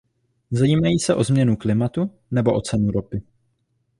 Zajímají se o změnu klimatu nebo o cenu ropy?